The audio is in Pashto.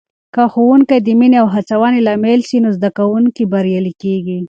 که ښوونکې د مینې او هڅونې لامل سي، نو زده کوونکي بریالي کېږي.